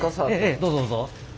ええどうぞどうぞ。